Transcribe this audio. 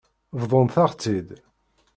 Bḍant-aɣ-tt-id.